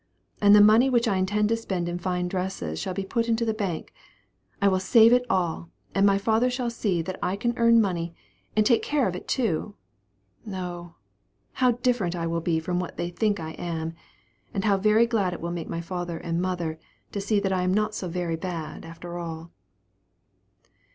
And the money which I intended to spend in fine dress shall be put into the bank; I will save it all, and my father shall see that I can earn money, and take care of it too. O, how different I will be from what they think I am; and how very glad it will make my father and mother to see that I am not so very bad, after all.